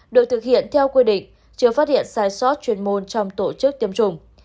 được thực hiện theo quy định chưa phát hiện sai sót chuyên môn trong tổ chức tiêm chủng